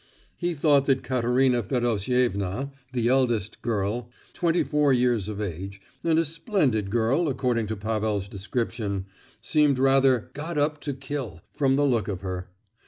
He thought that Katerina Fedosievna, the eldest girl—twenty four years of age, and a splendid girl according to Pavel's description—seemed rather "got up to kill," from the look of her.